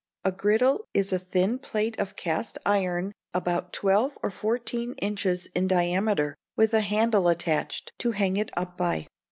A griddle is a thin plate of cast iron about twelve or fourteen inches in diameter, with a handle attached, to hang it up by.